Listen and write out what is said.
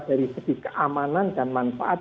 dari segi keamanan dan manfaat